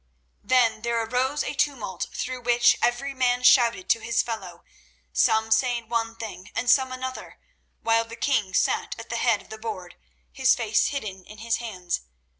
Then there arose a tumult through which every man shouted to his fellow, some saying one thing and some another, while the king sat at the head of the board, his face hidden in his hands.